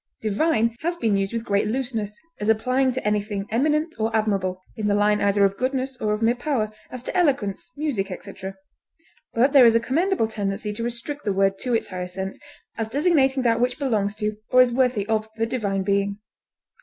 Divine has been used with great looseness, as applying to anything eminent or admirable, in the line either of goodness or of mere power, as to eloquence, music, etc., but there is a commendable tendency to restrict the word to its higher sense, as designating that which belongs to or is worthy of the Divine Being.